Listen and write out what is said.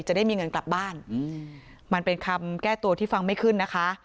จะได้มีเงินกลับบ้านมันเป็นคำแก้ตัวที่ฟังไม่ขึ้นนะคะ